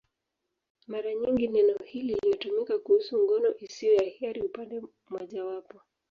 Mara nyingi neno hili linatumika kuhusu ngono isiyo ya hiari upande mmojawapo.